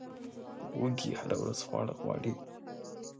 وزې هره ورځ خواړه غواړي